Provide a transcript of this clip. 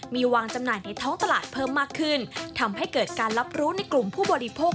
มีวางจำหน่ายในท้องตลาดเพิ่มมากขึ้นทำให้เกิดการรับรู้ในกลุ่มผู้บริโภค